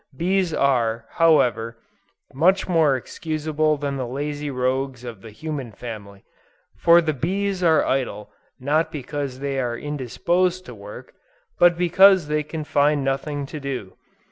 Bees are, however, much more excusable than the lazy rogues of the human family; for the bees are idle, not because they are indisposed to work, but because they can find nothing to do.